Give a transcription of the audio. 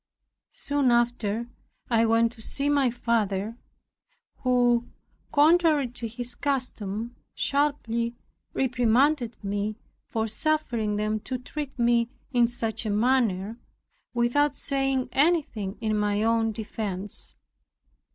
Soon after I went to see my father, who, contrary to his custom, sharply reprimanded me, "for suffering them to treat me in such a manner, without saying anything in my own defence."